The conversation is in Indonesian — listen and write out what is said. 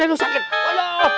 aduh aduh aduh